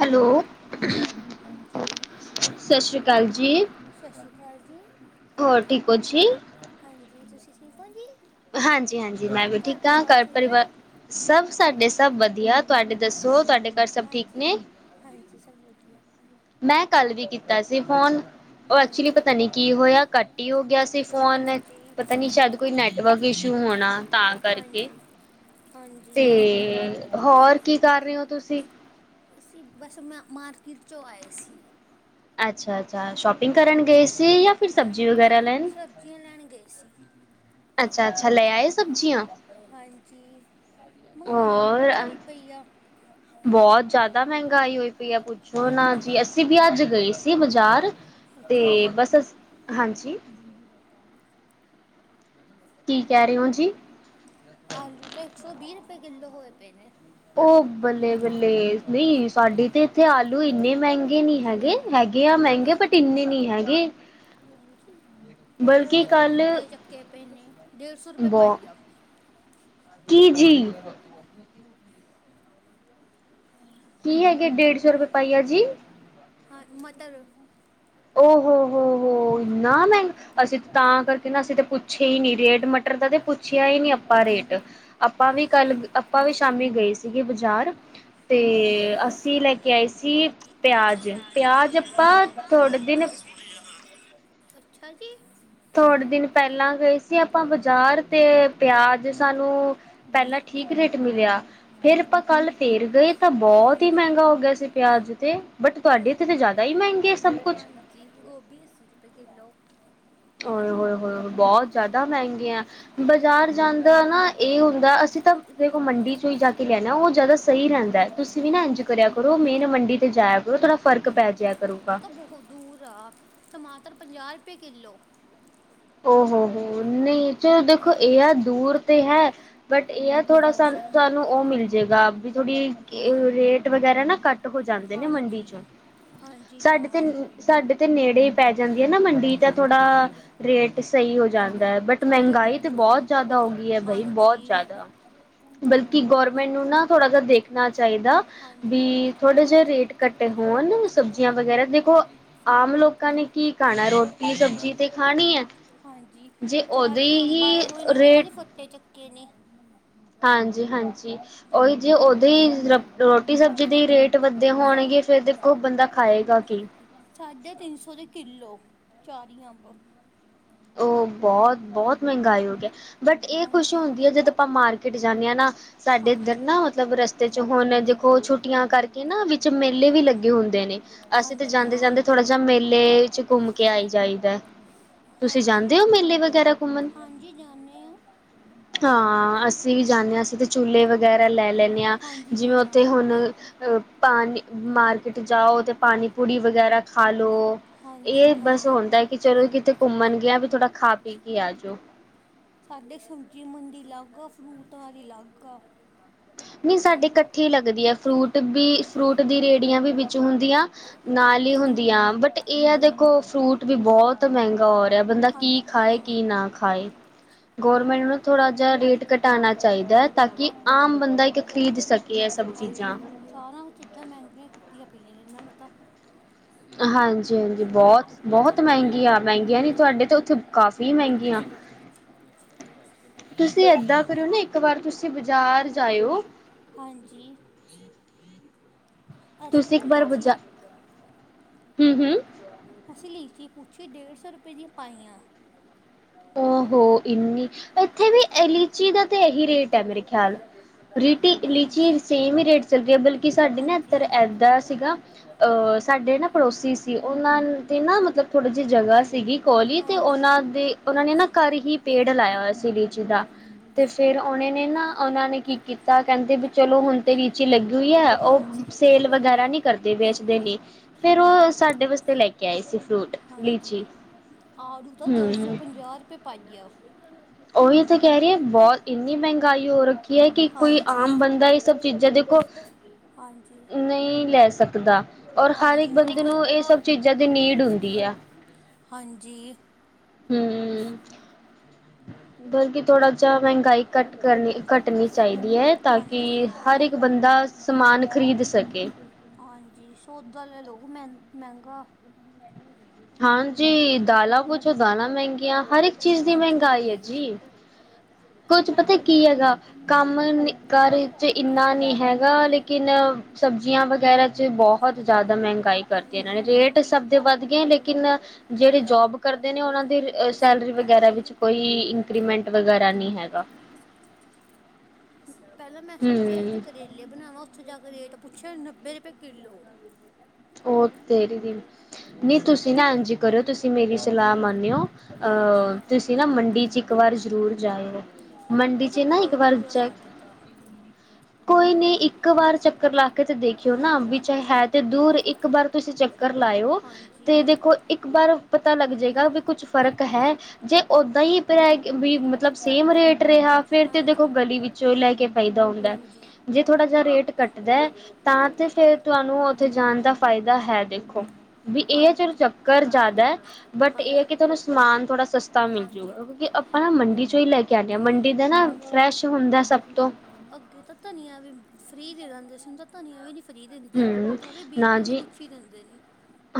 Hello. ਹਾਂਜੀ ਸਤਿ ਸ਼੍ਰੀ ਅਕਾਲ ਜੀ! ਸਤਿ ਸ਼੍ਰੀ ਅਕਾਲ ਜੀ ਹੋਰ ਠੀਕ ਓ ਜੀ ਹਾਂਜੀ ਤੁਸੀਂ ਠੀਕ ਹੋ ਜੀ! ਹਾਂਜੀ ਹਾਂਜੀ ਮੈਂ ਵੀ ਠੀਕ ਹਾਂ ਘਰ ਠੀਕ ਹੈ ਪਰਿਵਾਰ ਜੀ ਸਭ ਸਾਡੇ ਸਭ ਵਧੀਆ ਤੁਹਾਡੇ ਦੱਸੋ ਤੁਹਾਡੇ ਘਰ ਸਭ ਠੀਕ ਹਾਂਜੀ ਨੇ ਹਾਂਜੀ ਸਭ ਵਧੀਆ। ਮੈਂ ਕੱਲ ਵੀ ਕੀਤਾ ਸੀ ਫੋਨ ਉਹ ਐਕਚੁਲੀ ਹਾਂਜੀ ਪਤਾ ਨੀ ਕੀ ਹੋਇਆ ਕੱਟ ਹੀ ਹੋ ਗਿਆ ਸੀ। ਫੋਨ ਹਾਂਜੀ ਪਤਾ ਨੀ ਸ਼ਾਇਦ ਕੋਈ ਨੈਟਵਰਕ ਇਸ਼ੂ ਹੋਣਾ ਤਾਂ ਕਰਕੇ ਹਾਂਜੀ ਹਾਂਜੀ ਤੇ ਹੋਰ ਕੀ ਕਰ ਰਹੇ ਹੋ ਤੁਸੀਂ? ਅਸੀਂ ਬਸ ਮੈਂ ਮਾਰਕੀਟ ਚੋਂ ਆਏ ਸੀ। ਅੱਛਾ ਅੱਛਾ ਸ਼ੋਪਿੰਗ ਕਰਨ ਗਏ ਸੀ ਜਾਂ ਫਿਰ ਹਾਂ ਸਬਜ਼ੀ ਵਗੈਰਾ ਲੈਣ ਸਬਜੀਆਂ ਲੈਣ ਗਏ ਸੀ। ਅੱਛਾ ਅੱਛਾ ਲੈ ਆਏ ਸਬਜ਼ੀਆਂ। ਹਾਂਜੀ ਮਹਿੰਗਾਈ ਉਹ ਬਹੁਤ ਹੋਰ ਹੋਈ ਪਈ ਆ। ਬਹੁਤ ਜ਼ਿਆਦਾ ਮਹਿੰਗਾਈ ਹੋਈ ਪਈਆ ਪੁੱਛੋ ਨਾ ਹਾਂਜੀ ਜੀ ਅਸੀਂ ਵੀ ਅੱਜ ਗਏ ਸੀ ਬਾਜ਼ਾਰ ਤੇ ਅੱਛਾ ਜੀ ਬਸ ਅਸੀਂ ਹਾਂਜੀ। ਕੀ ਕਹਿ ਰਹੇ ਹੋ ਜੀ? ਆਲੂ ਤਾਂ ਇੱਕ ਸੌ ਵੀਹ ਰੁਪਏ ਕਿਲੋ ਹੋਏ ਪਏ ਨੇ। ਉਹ ਬੱਲੇ ਬੱਲੇ ਨਹੀਂ ਸਾਡੇ ਤੇ ਇੱਥੇ ਆਲੂ ਇੰਨੇ ਮਹਿੰਗੇ ਨਹੀਂ ਹੈਗੇ। ਹੈਗੇ ਆ ਮਹਿੰਗੇ ਬਟ ਇੰਨੇ ਨਹੀਂ ਹੈਗੇ। ਹਾਂਜੀ ਮਟਰ ਬਲਕਿ ਦੇ ਕੱਲ ਫਟੇ ਚੱਕੇ ਪਏ ਨੇ ਡੇਢ ਸੌ ਰੁਪਏ ਪਾਈਆ ਜੀ ਜੀ ਕੀ ਹੈਗੇ ਡੇਢ ਸੌ ਰੁਪਏ ਪਾਈ ਆ ਜੀ। ਹਾਂ ਮਟਰ ਹੋ- ਹੋ -ਹੋ ਇੰਨਾ ਮਹਿੰਗਾ। ਅਸੀਂ ਤਾਂ ਕਰਕੇ ਨਾ ਅਸੀਂ ਤਾਂ ਪੁੱਛੇ ਹੀ ਨਹੀਂ ਰੇਟ ਮਟਰ ਦਾ ਤੇ ਪੁੱਛਿਆ ਹੀ ਨਹੀਂ ਆਪਾਂ ਰੇਟ। ਆਪਾਂ ਵੀ ਕੱਲ, ਆਪਾਂ ਵੀ ਸ਼ਾਮੀ ਗਏ ਸੀਗੇ ਬਜ਼ਾਰ। ਤੇ ਅਸੀਂ ਲੈ ਕੇ ਆਏ ਸੀ ਪਿਆਜ, ਪਿਆਜ ਆਪਾਂ ਥੋੜੇ ਦਿਨ [inaudible] ਅੱਛਾ ਜੀ। ਥੋੜੇ ਦਿਨ ਪਹਿਲਾਂ ਗਏ ਸੀ ਆਪਾਂ ਬਾਜ਼ਾਰ, ਤੇ ਪਿਆਜ ਸਾਨੂੰ ਪਹਿਲਾਂ ਠੀਕ ਰੇਟ ਮਿਲਿਆ ਫੇਰ ਆਪਾਂ ਕੱਲ ਫੇਰ ਗਏ ਤਾਂ ਬਹੁਤ ਹੀ ਹਾਂਜੀ ਮਹਿੰਗਾ ਹੋ ਗਿਆ ਸੀ ਪਿਆਜ ਤੇ, ਬਟ ਗੋ ਤੁਹਾਡੇ ਤੇ ਤਾਂ ਜ਼ਿਆਦਾ ਹੀ ਮਹਿੰਗੇ ਸਭ ਕੁਛ। ਹਾਂਜੀ, ਗੋਭੀ ਅੱਸੀ ਰੁਪਏ ਕਿਲੋ। ਉਏ ਹੋਏ ਹੋਏ ਬਹੁਤ ਜ਼ਿਆਦਾ ਮਹਿੰਗੀਆ। ਬਾਜ਼ਾਰ ਜਾਣ ਦਾ ਨਾ ਇਹ ਹੁੰਦਾ ਅਸੀਂ ਤਾਂ ਦੇਖੋ ਮੰਡੀ ਚੋਂ ਹੀ ਜਾ ਕੇ ਲੈਣੇ ਉਹ ਜ਼ਿਆਦਾ ਸਹੀ ਰਹਿੰਦਾ ਹੈ। ਤੁਸੀਂ ਵੀ ਨਾ ਇੰਜ ਕਰਿਆ ਕਰੋ ਮੇਨ ਮੰਡੀ ਤੇ ਜਾਇਆ ਕਰੋ ਥੋੜ੍ਹਾ ਫਰਕ ਪੈ ਜਿਆ ਉਹ ਕਰੂਗਾ। ਤਾਂ ਬਹੁਤ ਦੂਰ ਆ, ਟਮਾਟਰ ਪੰਜਾਹ ਰੁਪਏ ਕਿੱਲੋ। ਹੋ ਹੋ ਹੋ ਨਹੀਂ ਚਲੋ ਦੇਖੋ ਇਹ ਆ ਦੂਰ ਤੇ ਹੈ ਬਟ ਇਹ ਆ ਥੋੜਾ ਸਾਨੂੰ ਉਹ ਮਿਲ ਜਾਏਗਾ ਵੀ ਥੋੜੀ ਰੇਟ ਵਗੈਰਾ ਨਾ ਘੱਟ ਘੱਟ ਹੋ ਜਾਂਦੇ ਨੇ ਮੰਡੀ ਹਾਂਜੀ 'ਚ, ਹਾਂਜੀ ਸਾਡੇ ਤੇ ਹਾਂ ਸਾਡੇ ਤੇ ਨੇੜੇ ਪੈ ਜਾਂਦੀ ਹੈ ਨਾ ਮੰਡੀ, ਤਾਂ ਥੋੜਾ ਹਾਂਜੀ ਰੇਟ ਸਹੀ ਹੋ ਜਾਂਦਾ। ਹਦ ਬਟ ਸਾਡੇ ਮਹਿੰਗਾਈ ਤੇ ਦੂਰ ਬਹੁਤ ਜਿਆਦਾ ਹੋ ਗਈ ਹੈ ਬਾਈ ਹਾਂਜੀ ਬਹੁਤ ਜ਼ਿਆਦਾ। ਬਲਕਿ ਗੌਰਮੈਂਟ ਨੂੰ ਨਾ ਥੋੜ੍ਹਾ ਜਿਹਾ ਦੇਖਣਾ ਚਾਹੀਦਾ ਹਾਂਜੀ ਵੀ ਥੋੜੇ ਜਿਹੇ ਰੇਟ ਘੱਟੇ ਹੋਣ ਸਬਜ਼ੀਆਂ ਵਗੈਰਾ ਦੇਖੋ ਆਮ ਲੋਕਾਂ ਨੇ ਕੀ ਖਾਣਾ ਰੋਟੀ ਸਬਜ਼ੀ ਤੇ ਖਾਣੀ ਹੈ। ਹਾਂਜੀ, ਜੇ ਉਹਦੇ ਆਚਾਰੀ ਅੰਬ ਹੀ ਆਏ ਹੋਏ ਨੇ ਉਹਨਾਂ ਰੇਟ ਦੇ ਫੱਟੇ ਚੱਕੇ ਨੇ ਹਾਂਜੀ -ਹਾਂਜੀ। ਉਹੀ ਜੇ ਉਹਦੇ ਹੀ ਰੋਟੀ ਸਬਜ਼ੀ ਦੇ ਰੇਟ ਵੱਧੇ ਹੋਣਗੇ ਫਿਰ ਦੇਖੋ ਬੰਦਾ ਖਾਏਗਾ ਕੀ। ਸਾਢੇ ਤਿੰਨ ਸੌ ਦੇ ਕਿੱਲੋ ਆਚਾਰੀ ਅੰਬ। ਉਹ ਬਹੁਤ -ਬਹੁਤ ਮਹਿੰਗਾਈ ਹੋ ਗਈ ਹੈ ਬਟ ਇਹ ਖੁਸ਼ੀ ਹਾਂਜੀ ਹੁੰਦੀ ਹੈ ਜਦ ਆਪਾਂ ਮਾਰਕੀਟ ਮਾਰਕੀਟ ਜਾਂਦੇ ਨਾ ਸਾਡੇ ਇੱਧਰ ਹਾਂਜੀ ਨਾ ਮਤਲਬ ਰਸਤੇ ਚ ਹੁਣ ਦੇਖੋ ਛੁੱਟੀਆਂ ਕਰਕੇ ਨਾ ਵਿੱਚ ਮੇਲੇ ਵੀ ਲੱਗੇ ਹੁੰਦੇ ਨੇ। ਅਸੀਂ ਤਾਂ ਹਾਂਜੀ ਜਾਂਦੇ- ਹਾਂ ਜਾਂਦੇ ਥੋੜਾ ਜਿਹਾ ਮੇਲੇ ਵਿੱਚ ਘੁੰਮ ਕੇ ਆਈ ਜਾਈਦਾ। ਤੁਸੀਂ ਜਾਂਦੇ ਹਾਂਜੀ ਹੋ ਮੇਲੇ ਵਗੈਰਾ ਘੁੰਮਣ? ਹਾਂਜੀ ਜਾਣੇ ਆ ਹਾਂ ਅਸੀਂ ਵੀ ਜਾਂਦੇ ਹਾਂ ਅਸੀਂ ਤੇ ਝੂਲੇ ਵਗੈਰਾ ਲੈ ਲੈਂਦੇ ਹਾਂ ਹਾਂਜੀ ਜਿਵੇਂ ਉੱਥੇ ਹਾਂ ਹੁਣ ਪਾਣੀ ਮਾਰਕੀਟ ਜਾਓ ਤੇ ਪਾਣੀ ਪੁਰੀ ਵਗੈਰਾ ਖਾਲੋ, ਇਹ ਹਾਂਜੀ ਬਸ ਹਾਂ ਹੁੰਦਾ ਕਿ ਚਲੋ ਕਿਤੇ ਘੁੰਮਣ ਗਿਆ ਵੀ ਥੋੜ੍ਹਾ ਖਾ ਪੀ ਕੇ ਆ ਜਾਓ। ਸਾਡੇ ਸਬਜ਼ੀ ਮੰਡੀ ਅਲੱਗ ਆ ਫਰੂਟ ਵਾਲੀ ਅਲੱਗ ਆ। ਨਹੀਂ ਸਾਡੇ ਇਕੱਠੀ ਲੱਗਦੀ ਹੈ ਫਰੂਟ ਵੀ ਫਰੂਟ ਦੀ ਰੇਹੜੀਆਂ ਵੀ ਵਿੱਚ ਹੁੰਦੀਆਂ। ਨਾਲ ਹੀ ਹੁੰਦੀਆਂ ਬਟ ਇਹ ਆ ਦੇਖੋ ਫਰੂਟ ਵੀ ਬਹੁਤ ਮਹਿੰਗਾ ਹੋਇਆ ਬੰਦਾ ਕੀ ਹਾਂਜੀ ਹਾਂ ਖਾਏ ਕੀ ਨਾ ਖਾਏ। ਗੌਰਮੈਂਟ ਨੂੰ ਥੋੜ੍ਹਾ ਜਿਹਾ ਰੇਟ ਘਟਾਉਣਾ ਚਾਹੀਦਾ ਹੈ ਤਾਂ ਕਿ ਆਮ ਬੰਦਾ ਇੱਕ ਖਰੀਦ ਸਕੇ। ਇਹ ਸਭ ਹਾਂਜੀ, ਚੀਜ਼ਾਂ ਸਾਰਾ ਚੀਜ਼ਾਂ ਮਹਿੰਗੀਆਂ ਕੀਤੀਆਂ ਪਈਆਂ ਨੇ ਇਹਨਾਂ ਨੇ ਤਾਂ। ਹਾਂਜੀ -ਹਾਂਜੀ ਬਹੁਤ, ਬਹੁਤ ਮਹਿੰਗੀਆਂ, ਮਹਿੰਗੀਆਂ ਨੀ ਹਾਂਜੀ ਤੁਹਾਡੇ ਤੇ ਉੱਥੇ ਕਾਫੀ ਮਹਿੰਗੀਆਂ ਤੁਸੀਂ ਇੱਦਾਂ ਕਰਿਓ ਨਾ ਇੱਕ ਵਾਰ ਤੁਸੀਂ ਬਾਜ਼ਾਰ ਜਾਇਓ ਹਾਂਜੀ। ਅਸੀਂ ਤੁਸੀਂ ਨਾ ਇੱਕ ਵਾਰ ਲੀਚੀਆਂ ਬਜ਼ਾਰ, ਹਮ- ਹਮ। ਅਸੀਂ ਲੀਚੀ ਪੁੱਛੀ ਡੇਢ ਸੌ ਰੁਪਏ ਦੀਆਂ ਪਾਈਆ। ਓ ਹੋ ਇੰਨੀ, ਇੱਥੇ ਵੀ ਲੀਚੀ ਦਾ ਤੇ ਇਹੀ ਰੇਟ ਹੈ ਮੇਰੇ ਖਿਆਲ। ਲੀਚੀ, ਲੀਚੀ ਹਾਂਜੀ ਸੇਮ ਹੀ ਰੇਟ ਚੱਲਦੀ ਹੈ ਬਲਕਿ ਸਾਡੀ ਨਾ ਇਧੱਰ ਹਾਂਜੀ ਏਦਾਂ ਸੀਗਾ। ਅ,,, ਸਾਡੇ ਨਾ ਪੜੋਸੀ ਸੀ ਉਹਨਾਂ 'ਤੇ ਨਾ ਮਤਲਬ ਥੋੜ੍ਹੀ ਜਿਹੀ ਜਗ੍ਹਾ ਸੀਗੀ। ਕੋਲੀ ਤੇ ਹਾਂਜੀ ਉਹਨਾਂ ਦੇ ਉਹਨਾਂ ਨੇ ਨਾ ਘਰ ਹੀ ਪੇੜ ਲਾਇਆ ਹੋਇਆ ਸੀ ਲੀਚੀ ਦਾ ਤੇ ਫਿਰ ਉਹਨੇ ਨੇ ਨਾ ਉਹਨਾਂ ਨੇ ਕੀ ਕੀਤਾ ਕਹਿੰਦੇ ਵੀ ਚਲੋ ਹੁਣ ਤੇਰੀ ਲੀਚੀ ਲੱਗੀ ਹੋਈ ਹੈ ਉਹ ਹਾਂਜੀ ਸੇਲ ਵਗੈਰਾ ਨਹੀਂ ਕਰਦੇ ਵੇਚਦੇ ਲਈ ਫਿਰ ਉਹ ਸਾਡੇ ਵਾਸਤੇ ਲੈ ਕੇ ਆਏ ਸੀ ਫਰੂਟ ਹਾਂਜੀ ਲੀਚੀ ਆੜੂ ਤਾਂ ਦੋਸੌ ਹਮ ਪੰਜਾਹ ਰੁਪਏ ਪਾਇਆ ਉਹੀ ਤਾਂ ਕਹਿ ਰਹੀ ਹੈ ਬਹੁਤ ਇੰਨੀ ਮਹਿੰਗਾਈ ਹੋ ਰੱਖੀ ਖੀ ਹੈ ਕਿ ਕੋਈ ਹਾਂਜੀ ਆਮ ਬੰਦਾ ਇਹ ਸਭ ਚੀਜ਼ਾਂ ਦੇਖੋ ਹਾਂਜੀ। ਨਹੀਂ ਲੈ ਸਕਦਾ ਔਰ ਹਰ ਇੱਕ ਹਾਂਜੀ ਹਾਂ ਬੰਦੇ ਨੂੰ ਇਹ ਸਭ ਚੀਜ਼ਾਂ ਦੀ ਨੀਡ ਹੁੰਦੀ ਹੈ। ਹਾਂਜੀ। ਹੂੰ ਬਲਕਿ ਥੋੜਾ ਜਿਹਾ ਮਹਿੰਗਾਈ ਘੱਟ ਕਰਨੀ ਘੱਟਣੀ ਚਾਹੀਦੀ ਹੈ ਤਾਂ ਕਿ ਹਾਂਜੀ ਹਰ ਹਾਂ ਇੱਕ ਬੰਦਾ ਸਮਾਨ ਖ਼ਰੀਦ ਸਕੇ। ਹਾਂਜੀ, ਸੌਦਾ ਲੈ ਲਓ ਓ ਮਹਿ ਮੇਹਿੰਗਾ ਹਾਂਜੀ, ਦਾਲਾ ਕੁੱਝ ਦਾਲਾਂ ਜਾਂਦਾ ਕੁਛ ਦਾਲਾਂ ਮਹਿੰਗੀਆਂ ਹਰ ਇੱਕ ਚੀਜ਼ ਦੀ ਹਰ ਇੱਕ ਚੀਜ਼ ਮਹਿੰਗਾਈ ਹੈ ਮਹਿੰਗਾ। ਜੀ। ਕੁੱਛ ਪਤਾ ਕੀ ਹੈ ਗਾ, ਕੰਮ ਨਿੱਕਾ ਕਾਰਜ ਇੰਨਾ ਨੀ ਹੈ ਗਾ ਲੇਕਿਨ। ਸਬਜ਼ੀਆਂ ਵਗੈਰਾ ਚ ਬਹੁਤ ਜ਼ਿਆਦਾ ਮਹਿੰਗਾਈ ਕਰਤੀ। ਇਹਨਾਂ ਨੇ ਹਾਂਜੀ ਰੇਟ ਹਾਂ ਸਭ ਤੇ ਵੱਧ ਗਿਆ ਲੇਕਿਨ ਜਿਹੜੇ ਜੋਬ ਕਰਦੇ ਨੇ ਉਹਨਾਂ ਦੇ ਸੈਲਰੀ ਵਗੈਰਾ ਵਿੱਚ ਕੋਈ ਇੰਕਰੀਮੈਂਟ ਵਗੈਰਾ ਨਹੀਂ ਹੈ। ਹੈ ਗਾ। ਪਹਿਲਾਂ ਮੈਂ ਸੋਚਿਆ ਅੱਜ ਹਮ ਕਰੇਲੇ ਬਣਾਵਾਂ। ਉੱਥੇ ਜਾ ਕੇ ਰੇਟ ਪੁੱਛਿਆ ਨੱਬੇ ਰੁਪਏ ਕਿੱਲੋ। ਉਹ ਤੇਰੀ ਦੀ, ਨਹੀਂ ਤੁਸੀਂ ਨਾ ਇੰਜ ਕਰਿਓ ਤੁਸੀਂ ਮੇਰੀ ਸਲਾਹ ਮੰਨਿਓ। ਹਾਂਜੀ ਅਹ ਹਾਂ ਤੁਸੀਂ ਨਾ ਮੰਡੀ ਚ ਇੱਕ ਵਾਰ ਜ਼ਰੂਰ ਜਾਇਓ। ਮੰੰਡੀ ਉਹ ਚ ਤਾਂ ਨਾ ਇੱਕ ਬਹੁਤ ਵਾਰ ਦੂਰ ਆ ਚੈੱਕ ਸਾਡੇ ਤਾਂ ਕੋਈ ਨਹੀਂ ਇੱਕ ਵਾਰ ਚੱਕਰ ਲਾ ਕੇ ਤੇ ਦੇਖਿਓ ਨਾ ਹਾਂਜੀ ਵਿੱਚੇ ਹੇ ਹੈ ਤੇ ਦੂਰ ਇੱਕ ਵਾਰ ਤੁਸੀਂ ਚੈੱਕ ਕਰ ਲਾਇਓ ਤੇ ਹਾਂਜੀ ਦੇਖੋ ਇੱਕ ਬਾਰ ਪਤਾ ਲੱਗ ਜਾਏਗਾ ਵੀ ਕੁੱਛ ਫ਼ਰਕ ਹੈ। ਜੇ ਓਦਾਂ ਹੀ ਵਰੇ ਵੀ ਮਤਲਬ ਸੇਮ ਰੇਟ ਰਿਹਾ ਫੇਰ ਤੇ ਹਾਂਜੀ ਦੇਖੋ ਗਲੀ ਵਿੱਚੋਂ ਲੈ ਕੇ ਫੈਦਾ ਹੁੰਦਾ। ਹਾਂਜੀ ਜੇ ਥੋੜਾ ਜਿਹਾ ਰੇਟ ਕੱਟਦਾ ਤਾਂ ਤੇ ਫਿਰ ਤੁਹਾਨੂੰ ਉੱਥੇ ਜਾਣ ਦਾ ਫਾਇਦਾ ਹੈ ਦੇਖੋ ਵੀ ਇਹ ਚਿਰ ਹਾਂਜੀ ਚੱਕਰ ਜ਼ਿਆਦਾ। ਬਟ ਇਹ ਹੈ। ਹਾਂਜੀ ਕਿ ਤੁਹਾਨੂੰ ਸਮਾਨ ਥੋੜ੍ਹਾ ਸਸਤਾ ਮਿਲ ਹਾਂਜੀ ਜੂਗਾ ਕਿਉਂਕਿ ਆਪਾ ਨਾ ਮੰਡੀ ਚੋਂ ਹੀ ਲੈ ਕੇ ਆਦੇ ਹਾ ਮੰਡੀ ਦਾ ਨਾ ਫਰੈਸ਼ ਹੁੰਦਾ ਸਭ ਤੋਂ। ਅੱਗੇ ਤਾਂ ਧਨੀਆ ਵੀ ਫ੍ਰਰੀ ਦੇ ਦਿੰਦੇ ਸੀ ਹੁਣ ਤਾਂ ਧਨੀਆ ਵੀ ਨੀ ਫ੍ਰਰੀ ਦਿੰਦੇ ਹੁਣ ਹੂੰ, ਤਾਂ ਉਹ ਵੀਹ ਨਾ ਰੁਪਏ ਦੀ ਜੀ। ਗੁੱਛੀ ਦਿੰਦੇ ਨੇ।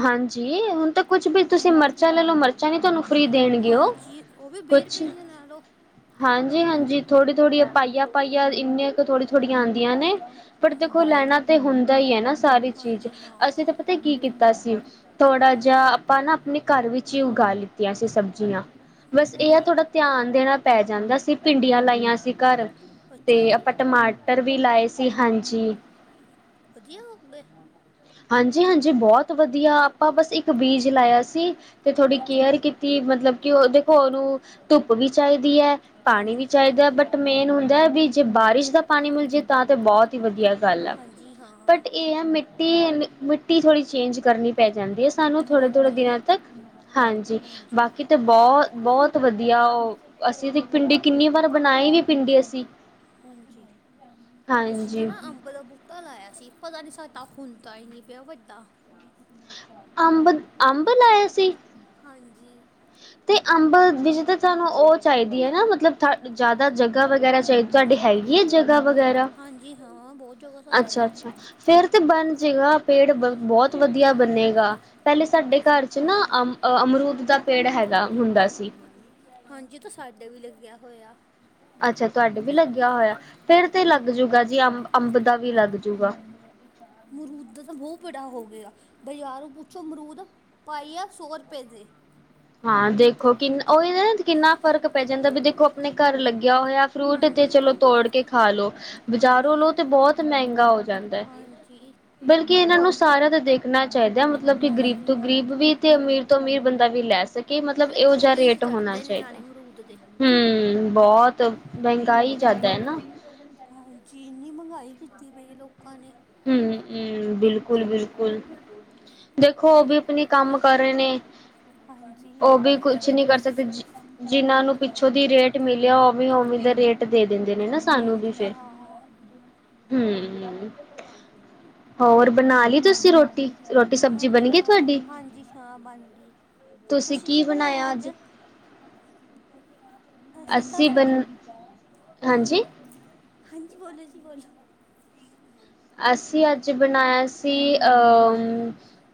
ਹਾਂਜੀ, ਹੁਣ ਤਾਂ ਕੁੱਝ ਵੀ ਤੁਸੀਂ ਮਿਰਚਾਂ ਲੈ ਲਓ ਮਿਰਚਾਂ ਨੀ ਤੁਹਾਨੂੰ ਫ੍ਰੀ ਦੇਣਗੇ ਉਹ ਹਾਂਜੀ ਉਹ ਵੀ ਕੁਛ ਰੁਪਏ ਦੀਆਂ ਲੈ ਲਓ ਹਾਂਜੀ, ਹਾਂਜੀ ਥੋੜ੍ਹੀ ਥੋੜ੍ਹੀਆਂ ਪਾਈਆਂ ਪਾਈਆਂ ਇੰਨੀਆਂ ਕੁ ਥੋੜੀ ਥੋੜੀਆਂ ਆਉਂਦੀਆਂ ਨੇ ਬਟ ਦੇਖੋ ਹਾਂਜੀ ਲੈਣਾ ਤੇ ਹੁੰਦਾ ਹੀ ਹੈ ਨਾ ਸਾਰੀ ਚੀਜ਼ ਹਾਂਜੀ ਅਸੀਂ ਤਾਂ ਹਾਂ ਪਤਾ ਕੀ ਕੀਤਾ। ਸੀ ਥੋੜਾ ਜਿਹਾ ਹਾਂਜੀ ਆਪਾਂ ਨਾ ਆਪਣੇ ਘਰ ਵਿੱਚ ਹੀ ਉਗਾ ਲਿੱਤੀਆਂ ਸੀ ਸਬਜ਼ੀਆਂ। ਬਸ ਅੱਛਾ ਇਹ ਆ ਜੀ ਥੋੜ੍ਹਾ ਧਿਆਨ ਦੇਣਾ ਪੈ ਜਾਂਦਾ ਸੀ। ਭਿੰਡੀਆਂ ਲਾਈਆਂ ਸੀ ਘਰ ਅੱਛਾ ਤੇ ਜੀ ਆਪਾਂ ਟਮਾਟਰ ਵੀ ਲਾਏ ਸੀ ਹਾਂਜੀ। ਵਧੀਆ ੳਗ ਗਏ। ਹਾਂਜੀ, ਹਾਂਜੀ ਬਹੁਤ ਵਧੀਆ ਆਪਾਂ ਬਸ ਇੱਕ ਬੀਜ ਲਾਇਆ ਸੀ। ਤੇ ਥੋੜ੍ਹੀ ਅੱਛਾ ਕੇਅਰ ਕੀਤੀ ਮਤਲਬ ਕਿ ਉਹ ਦੇਖੋ ਉਹਨੂੰ ਧੁੱਪ ਵੀ ਚਾਹੀਦੀ ਹੈ। ਪਾਣੀ ਹਾਂਜੀ ਵੀ ਹਾਂ ਚਾਹੀਦਾ ਬਟ ਮੇਂਨ ਹੁੰਦਾ ਵੀ ਜੇ ਬਾਰਿਸ਼ ਦਾ ਪਾਣੀ ਮਿਲ ਜਾਏ ਤਾਂ ਤੇ ਬਹੁਤ ਹੀ ਵਧੀਆ। ਹਾਂਜੀ ਹਾਂ ਬਟ ਇਹ ਹੈ ਮਿੱਟੀ ਮ ਮਿੱਟੀ ਥੋੜੀ ਚੇੰਜ ਕਰਨੀ ਪੈ ਜਾਂਦੀ ਹੈ ਸਾਨੂੰ ਥੋੜੇ ਥੋੜੇ ਹਾਂਜੀ ਦਿਨਾਂ ਤੱਕ ਹਾਂਜੀ ਬਾਕੀ ਤੇ ਬਹੁਤ ਬਹੁਤ ਵਧੀਆ ਉਹ ਅਸੀਂ ਤੇ ਭਿੰਡੀ ਕਿੰਨੀ ਵਾਰ ਬਣਾਈ ਵੀ ਪਿੰਡੀ ਅਸੀਂ। ਹਾਂਜੀ, ਅੱਸੀ ਨਾ ਹਾਂਜੀ ਨਾ ਅੰਬ ਦਾ ਬੁ ਮਤਾਂ ਲਾਇਆ ਸੀ, ਪਤਾ ਨਹੀਂ ਸਾਡਾ ਹੁੰਦਾ ਹੀ ਨਹੀਂ ਪਿਆ ਵੱਡਾ। ਅੰਬ ਅੰਬ ਲਾਇਆ ਸੀ? ਹਾਂਜੀ- ਤੇ ਅੰਬ ਵਿਚ ਤਾਂ ਤੁਹਾਨੂੰ ਉਹ ਚਾਹੀਦੀ ਹੈ ਨਾ, ਮਤਲਬ ਜ਼ਿਆਦਾ ਜਗ੍ਹਾ ਵਗੈਰਾ ਚਾਹੀਦੀ ਤੁਹਾਡੇ ਹੈਗੀ। ਹੈਗੀ ਹੈ ਜਗਹ ਵਗੈਰਾ? ਹਾਂਜੀ ਹਾਂ ਬਹੁਤ ਜਗਹ ਹੈ। ਅਛਾ- ਅਛਾ ਫੇਰ ਤੇ ਬਣ ਜਾਇਗਾ ਪੇੜ ਬਹੁਤ ਵਧੀਆ ਬਣੇੇਗਾ। ਪਹਿਲੇ ਸਾਡੇ ਘਰ ਚ ਨਾ, ਅਮ ਅਮਰੂਦ ਦਾ ਪੇੜ ਹੈਗਾ ਹੁੰਦਾ ਸੀ। ਹਾਂਜੀ ਓਹ ਸਾਡੇ ਵੀ ਲੱਗਿਆ ਹੋਇਆ। ਅਛਾ- ਤੁਹਾਡੇ ਵੀ ਲੱਗਿਆ ਹੋਇਆ, ਫੇਰ ਤੇ ਹਾਂਜੀ ਲੱਗ ਜਾਓਗਾ ਜੀ, ਅੰਬ- ਅੰਬ ਦਾ ਵੀ ਲੱਗ ਜਾਓਗਾ। ਅਮਰੂਦ ਦਾ ਤਾਂ ਬਹੁਤ ਬੜਾ ਹੋ ਗਿਆ। ਬਾਜ਼ਾਰੋ ਪੁੱਛੋ ਅਮਰੂਦ ਪਾਈਆ ਸੌ ਰੁਪਏ ਦੇ। ਹਾਂ ਦੇਖੋ ਕਿੰਨ ਉਹੀ ਨਾ, ਕਿੰਨਾ ਫਰਕ ਪੈ ਜਾਂਦਾ, ਵੀ ਦੇਖੋ ਆਪਣੇ ਘਰ ਲੱਗਿਆ ਹੋਇਆ। ਫਰੂਟ ਤੇ ਹਾਂਜੀ ਚਲੋ ਹਾਂ ਤੋੜ ਕੇ ਖਾ ਲਉ, ਬਾਜ਼ਾਰੋਂ ਹਾਂਜੀ ਲੋ ਤੇ ਬਹੁਤ ਮਹਿੰਗਾ ਹੋ ਜਾਂਦਾ ਹੈ। ਹਾਂਜੀ। ਬਲਕਿ ਇਹਨਾਂ ਨੂੰ ਸਾਰੇਆ ਦਾ ਦੇਖਣਾ ਚਾਹੀਦਾ ਮਤਲਬ ਕਿ ਹਾਂਜੀ ਗ਼ਰੀਬ ਹਾਂ ਤੋਂ ਗਰੀਬ ਵੀ। ਤੇ ਅਮੀਰ ਤੋਂ ਅਮੀਰ ਬੰਦਾ ਵੀ ਲੈ ਸਕੇ ਮਤਲਬ ਨਾਲੇ ਇਹੋ ਦੋ ਜਿਹਾ ਪੀਸ ਰੇਟ ਹੋਣਾ ਚੜਦੇ ਨੇ ਚਾਹੀਦਾ। ਨਾਲੇ ਅਮਰੂਦ ਦੇ ਹੂੰ ਬਹੁਤ ਮਹਿੰਗਾਈ ਜ਼ਿਆਦਾ ਹੈ। ਨਾ ਹਾਂਜੀ, ਇੰਨੀ ਮਹਿੰਗਾਈ ਕੀਤੀ ਪਈ ਲੋਕਾਂ ਨੇ। ਹੂੰ- ਹੂੰ ਬਿਲਕੁਲ- ਸਰ ਬਿਲਕੁਲ। ਬਿਲਕੁਲ, ਦੇਖੋ ਉਹ ਵੀ ਆਪਣੇ ਕੰਮ ਕਰ ਰਹੇ ਨੇ। ਹਾਂਜੀ ਉਹ ਵੀ ਕੁਛ ਨਹੀਂ ਕਰ ਸਕਦੇ, ਜਿਨਾਂ ਨੂੰ ਹਾਂਜੀ ਹਾਂ ਪਿੱਛੋਂ ਦੀ ਰੇਟ? ਮਿਲਿਆ ਉ ਵੀ ਉਵੇ ਦੇ ਰੇਟ ਦੇ ਦਿੰਦੇ ਨੇ ਨਾ ਸਾਨੂੰ ਵੀ ਹਾਂਜੀ ਫਿਰ ਹਾਂ ਹੂ। ਹੋਰ ਬਣਾ ਲਈ ਤੁਸੀਂ ਰੋਟੀ? ਰੋਟੀ ਸਬਜ਼ੀ ਬਣ ਹਾਂਜੀ ਗਈ ਹਾਂ ਤੁਹਾਡੀ। ਹਾਂਜੀ ਹਾਂ ਬਣ ਗਈ ਤੁਸੀ ਕੀ ਬਣਾਇਆ ਅੱਜ? ਅਸੀਂ ਤਾਂ ਅੱਸੀ ਸ਼- ਬਨ ਹਾਂਜੀ? ਹਾਂਜੀ ਬੋਲੋ ਜੀ ਬੋਲੋ। ਅਸੀਂ ਅੱਜ ਬਣਾਇਆ ਸੀ।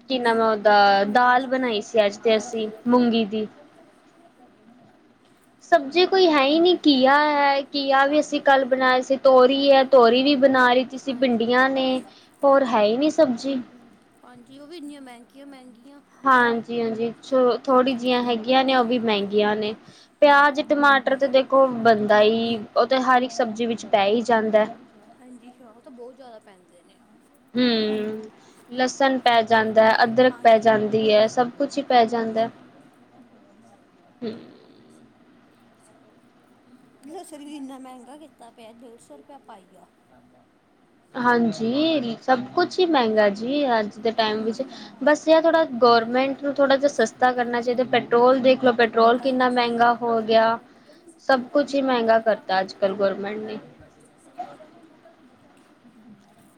ਕਿ ਨਾਮ ਹੈ-ਉਹਦਾ, ਦਾਲ ਬਣਾਈ ਸੀ ਅੱਜ ਤੇ ਅਸੀਂ ਮੂੰਗੀ ਦੀ। ਸਬਜ਼ੀ ਕੋਈ ਹੈ ਹੀ ਨਹੀ, ਘੀਆ ਹੈ, ਘੀਆ ਵੀ ਅਸੀ ਕੱਲ ਬਣਾਏ ਸੀ, ਤੋਰੀ ਹੈ, ਤੋਰੀ ਵੀ ਬਣਾ ਲਈ। ਹਾਂਜੀ ਭਿੰਡੀਆਂ ਹਾਂ ਨੇ- ਹੋਰ ਹੈ ਹੀ ਨਹੀ ਸਬਜ਼ੀ। ਹਾਂਜੀ ਉਹ ਵੀ ਇੰਨੀਆਂ ਮਹਿੰਗੀਆਂ- ਮਹਿੰਗੀਆਂ। ਹਾਂਜੀ- ਹਾਂਜੀ ਚਲੋ ਥੋੜ੍ਹੀ ਜਿਹੀਆਂ ਹੈਗੀਆਂ ਨੇ, ਉਹ ਵੀ ਮਹਿੰਗੀਆਂ ਨੇ। ਪਿਆਜ, ਟਮਾਟਰ ਤੇ ਦੇਖੋ ਬਣਦਾ ਈ ਉਹ ਤਾਂ ਹਰ ਇੱਕ ਸਬਜ਼ੀ ਵਿਚ ਪੈ ਹੀ ਜਾਂਦਾ ਹੈ। ਹਾਂਜੀ ਸਵਾ ਤਾਂ ਬਹੁਤ ਜ਼ਿਆਦਾ ਪੈਂਦੇ ਨੇ। ਹੂੰ ਲਸਣ ਪੈ ਜਾਂਦਾ ਹੈ, ਅਦਰਕ ਪੈ ਹਾਂਜੀ ਜਾਂਦੀ ਹੈ, ਸਭ? ਕੁਛ ਹੀ ਪੈ ਜਾਂਦਾ! ਹੂੰ? ਲਸਣ ਵੀ ਇੰਨਾ ਮਹਿੰਗਾ ਕੀਤਾ ਪਿਆ। ਡੇਢ ਸੌ ਰੁਪਆ ਪਾਈਆ। ਹਾਂਜੀ, ਸਭ ਕੁਛ ਹੀ ਮਹਿੰਗਾ ਜੀ, ਅੱਜ ਦੇ ਟਾਈਮ ਵਿਚ, ਹਾਂਜੀ ਹਾਂ ਬਸ ਇਹ ਥੋੜਾ? ਗੋਰਮੈਂਟ ਨੂੰ ਥੋੜਾ ਜਿਹਾ ਸਸਤਾ ਕਰਨਾ ਚਾਹੀਦਾ। ਪੈਟਰੋਲ ਦੇਖ ਲੋ ਪੈਟਰੋਲ ਕਿੰਨਾ ਹਾਂਜੀ ਮਹਿੰਗਾ? ਹੋ ਗਿਆ ਸਭ ਕੁਛ ਹੀ ਮਹਿੰਗਾ ਕਰਤਾ ਅਜ ਕਲ ਗੌਰਮੈਂਟ ਨੇ।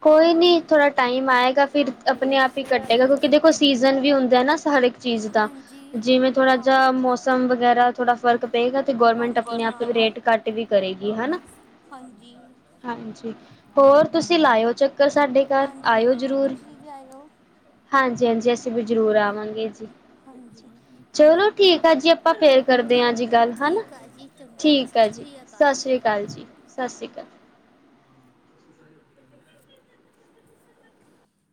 ਕੋਈ ਨੀ ਥੋੜਾ ਟਾਈਮ ਆਏਗਾ ਫਿਰ ਆਪਣੇ ਆਪ ਹੀ ਘਟੇਗਾ ਕਿਉਕਿ ਦੇਖੋ, ਸੀਜ਼ਨ ਵੀ ਹੁੰਦਾ ਹੈ ਨਾ, ਹਰ ਇਕ ਚੀਜ਼ ਦਾ ਹਾਂਜੀ ਜਿਵੇਂ ਥੋੜ੍ਹਾ ਹਾਂ ਜਿਹਾ ਮੌਸਮ ਵਗੈਰਾ ਥੋੜ੍ਹਾ ਫਰਕ। ਪਏਗਾ ਤੇ ਗੌਰਮੈਂਟ ਹਾਂਜੀ ਆਪਣੇ ਆਪ ਹਾਂ ਰੇਟ ਘੱਟ ਵੀ ਕਰੇਗੀ ਹੈਨਾ। ਹਾਂਜੀ। ਹਾਂਜੀ, ਹੋਰ ਤੁਸੀ ਲਾਇਓ ਚੱਕਰ ਸਾਡੇ ਘਰ ਹਾਂਜੀ ਆਇਓ ਹਾਂ ਜ਼ਰੂਰ। ਤੁਸੀਂ ਵੀ ਆਇਓ ਹਾਂਜੀ- ਹਾਂਜੀ ਅਸੀਂ ਵੀ ਜ਼ਰੂਰ ਆਵਾਂਗੇ ਜੀ। ਹਾਂਜੀ ਚਲੋ ਠੀਕ ਆ ਜੀ ਆਪਾਂ ਫਿਰ ਕਰਦੇ ਹਾ ਜੀ ਗੱਲ ਹੈਨਾ। ਠੀਕ ਆ ਜੀ ਚੰਗਾ ਠੀਕ ਸਤਿ ਆ ਜੀ ਸ਼੍ਰੀ ਸਤਿ ਅਕਾਲ ਸ੍ਰੀ ਅਕਾਲ ਜੀ ਸਤਿ ਸ਼੍ਰੀ ਅਕਾਲ।